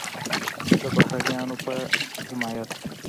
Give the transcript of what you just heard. د بهرنیانو په حمایت